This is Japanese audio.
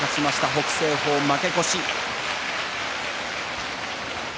北青鵬は負け越し。